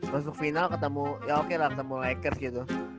masuk final ketemu ya oke lah ketemu lakers gitu